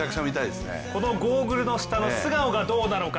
このゴーグルの下の素顔がどうなのか。